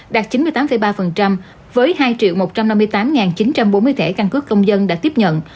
đạt chín mươi tám ba với hai một trăm năm mươi tám chín trăm bốn mươi thẻ căn cước công dân đã tiếp nhận